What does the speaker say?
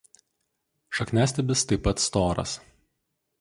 Šakniastiebis taip pat storas.